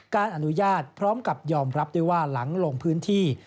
การอนุญาตพร้อมกับยอมรับได้ว่าหลังลงพื้นที่